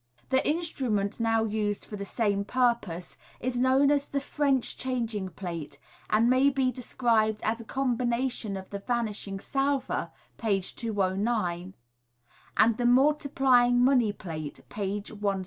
The instrument now used for the same purpose is known as the French changing plate, and may be described as a combination of the vanishing salver (page 209) and the multiplying money plate (page 177).